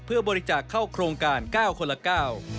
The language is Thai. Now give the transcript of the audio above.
เพื่อบริจาคเข้าโครงการ๙คนละ๙